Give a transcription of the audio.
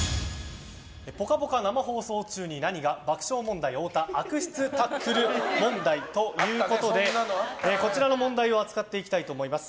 「ぽかぽか」生放送中に何が爆笑問題・太田悪質タックル問題ということでこちらの問題を扱っていきたいと思います。